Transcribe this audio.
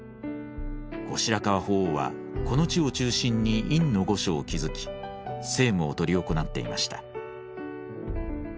後白河法皇はこの地を中心に院御所を築き政務を執り行っていました。